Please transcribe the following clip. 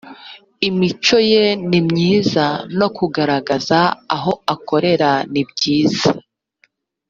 imico ye ni myiza no kugaragaza aho akorera ni byiza